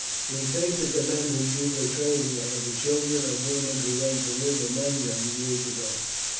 We think that the men who do the trading are the children of women who went to live among them years ago."